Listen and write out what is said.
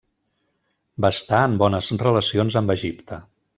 Va estar en bones relacions amb Egipte.